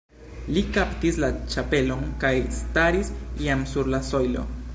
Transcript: Li kaptis la ĉapelon kaj staris jam sur la sojlo.